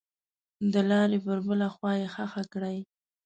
دلارې پر بله خوا یې ښخه کړئ.